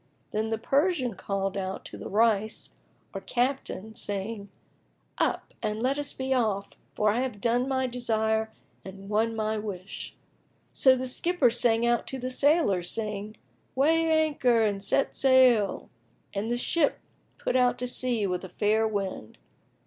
Then the Persian called out to the Rais or Captain, saying, "Up and let us be off, for I have done my desire and won my wish." So the skipper sang out to the sailors, saying, "Weigh anchor and set sail!" And the ship put out to sea with a fair wind.